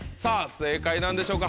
正解なんでしょうか？